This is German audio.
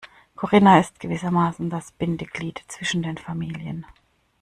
Corinna ist gewissermaßen das Bindeglied zwischen den Familien.